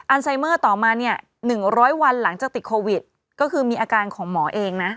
ไซเมอร์ต่อมาเนี่ย๑๐๐วันหลังจากติดโควิดก็คือมีอาการของหมอเองนะ